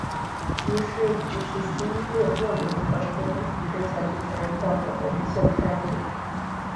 于是橘子新乐园和唱片公司决定采取承认盗作和致歉的态度。